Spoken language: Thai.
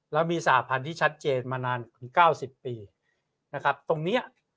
แล้วมีสหพันธ์ที่ชัดเจนมานานถึง๙๐ปีนะครับตรงเนี้ย